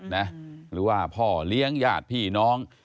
หรือว่าพ่อเลี้ยงญาติพี่น้อง